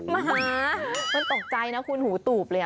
มหามันตกใจนะคุณหูตูบเลย